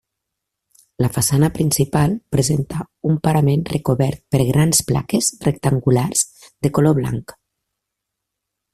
La façana principal presenta un parament recobert per grans plaques rectangulars de color blanc.